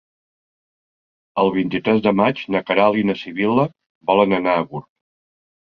El vint-i-tres de maig na Queralt i na Sibil·la volen anar a Gurb.